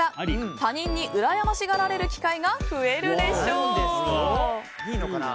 他人にうらやましがられる機会が増えるでしょう。